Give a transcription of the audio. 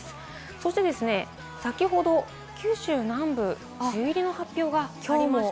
そして先ほど、九州南部、梅雨入りの発表がありました。